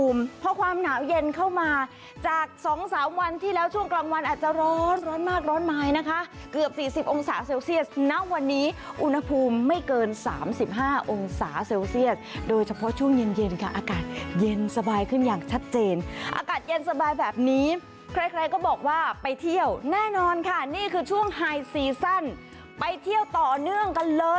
มาจากสองสามวันที่แล้วช่วงกลางวันอาจจะร้อนร้อนมากร้อนไม้นะคะเกือบสี่สิบองศาเซลเซียสนะวันนี้อุณหภูมิไม่เกินสามสิบห้าองศาเซลเซียสโดยเฉพาะช่วงเย็นค่ะอากาศเย็นสบายขึ้นอย่างชัดเจนอากาศเย็นสบายแบบนี้ใครก็บอกว่าไปเที่ยวแน่นอนค่ะนี่คือช่วงไฮซีซั่นไปเที่ยวต่อเนื่อง